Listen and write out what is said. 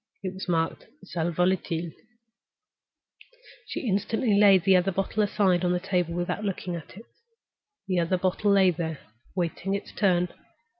It was marked—Sal volatile. She instantly laid the other bottle aside on the table without looking at it. The other bottle lay there, waiting its turn.